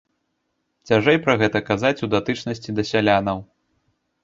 Цяжэй пра гэта казаць у датычнасці да сялянаў.